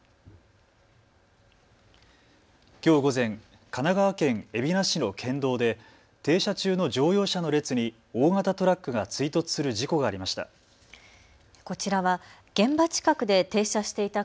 きょう午前、神奈川県海老名市の県道で停車中の乗用車の列に大型トラックが追突する事故がありました。